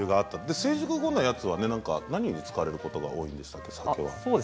成熟後のものは何に使われることが多いんですか。